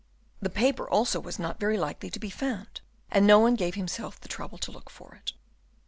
The paper also was not very likely to be found, and no one gave himself the trouble to look for it.